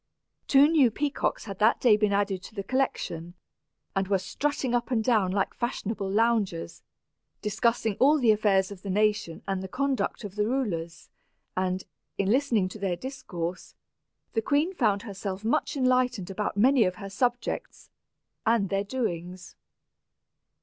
Two new peacocks had that day been added to the collection, and were strutting up and down like fashionable loungers, discussing all the affairs of the nation and the conduct of the rulers; and, in listening to their discourse, the queen found herself much enlightened about many of her subjects, and their doings.